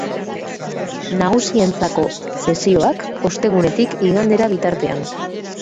Nagusientzako sesioak, ostegunetik igandera bitartean.